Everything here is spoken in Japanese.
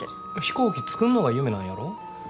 飛行機作んのが夢なんやろ？